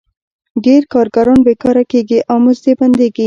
ډېر کارګران بېکاره کېږي او مزد یې بندېږي